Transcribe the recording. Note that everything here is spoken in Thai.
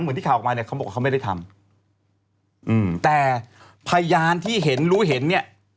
ที่ข่าวออกมาเนี่ยเขาบอกว่าเขาไม่ได้ทำอืมแต่พยานที่เห็นรู้เห็นเนี่ย